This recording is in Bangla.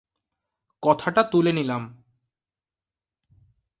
কথাটা তুলে নিলাম।